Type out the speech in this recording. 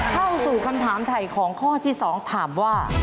เข้าสู่คำถามถ่ายของข้อที่๒ถามว่า